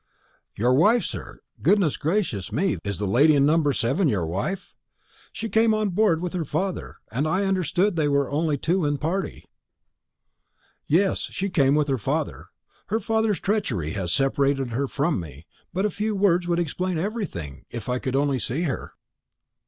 "Your wife, sir! Good gracious me, is the lady in number 7 your wife? She came on board with her father, and I understood they were only two in party." "Yes; she came with her father. Her father's treachery has separated her from me; but a few words would explain everything, if I could only see her."